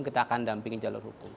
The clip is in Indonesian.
kita akan dampingi jalur hukum